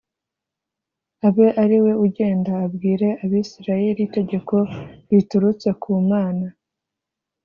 Abe ari we ugenda abwire abisirayeli itegeko riturutse kumana